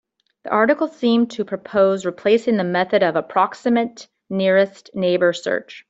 The article seems to propose replacing the method of approximate nearest neighbor search.